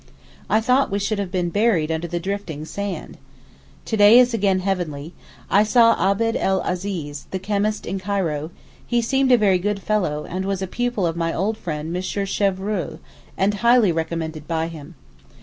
I thought we should have been buried under the drifting sand. To day is again heavenly. I saw Abd el Azeez, the chemist in Cairo; he seemed a very good fellow, and was a pupil of my old friend M. Chrevreul, and highly recommended by him.